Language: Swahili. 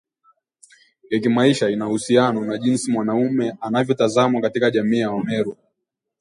ya kimaisha ina uhusiano na jinsi mwanamume anavyotazamwa katika jamii ya Wameru